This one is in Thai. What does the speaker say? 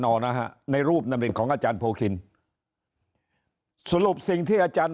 อนะฮะในรูปนั้นเป็นของอาจารย์โพคินสรุปสิ่งที่อาจารย์